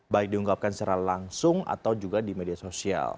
baik diunggapkan secara langsung atau juga di media sosial